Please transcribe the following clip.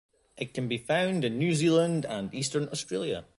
It can be found in New Zealand and eastern Australia.